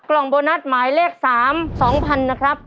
กล่องโบนัสหมายเลข๓๒๐๐๐นะครับ